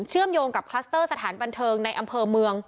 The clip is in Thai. โยงกับคลัสเตอร์สถานบันเทิงในอำเภอเมือง